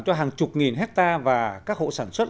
cho hàng chục nghìn hectare và các hộ sản xuất